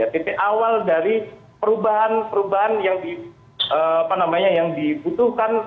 titik awal dari perubahan perubahan yang dibutuhkan